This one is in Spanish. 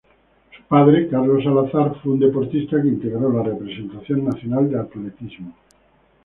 Su padre Carlos Salazar fue un deportista que integró la representación nacional de atletismo.